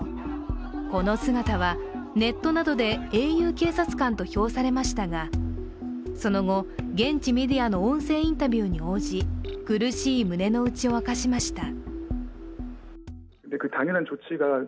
この姿は、ネットなどで英雄警察官と評されましたがその後、現地メディアの音声インタビューに応じ苦しい胸の内を明かしました。